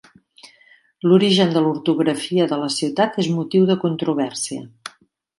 L'origen de l'ortografia de la ciutat és motiu de controvèrsia.